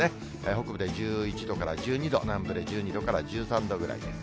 北部で１１度から１２度、南部で１２度から１３度ぐらいです。